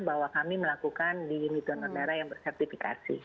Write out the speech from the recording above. bahwa kami melakukan di unit donor darah yang bersertifikasi